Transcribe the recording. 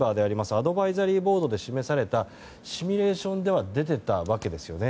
アドバイザリーボードで示された、シミュレーションでは出ていたわけですよね。